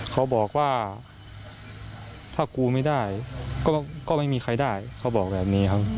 เขาบอกว่าถ้ากูไม่ได้ก็ไม่มีใครได้เขาบอกแบบนี้ครับ